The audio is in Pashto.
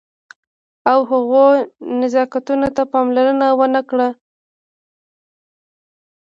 او هغو نزاکتونو ته پاملرنه ونه کړئ.